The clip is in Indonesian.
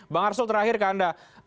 bang arsul terakhir ke anda